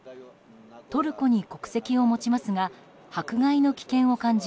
トルコに国籍を持ちますが迫害の危険を感じ